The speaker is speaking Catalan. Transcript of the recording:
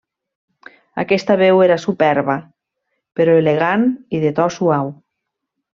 Aquesta veu era superba, però elegant i de to suau.